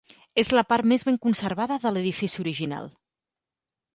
És la part més ben conservada de l'edifici original.